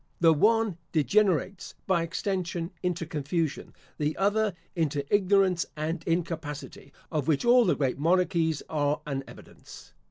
The one degenerates, by extension, into confusion; the other, into ignorance and incapacity, of which all the great monarchies are an evidence.